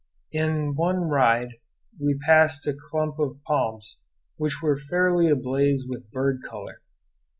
On one ride we passed a clump of palms which were fairly ablaze with bird color.